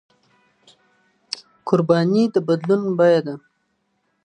قرباني د بدلون بيه ده.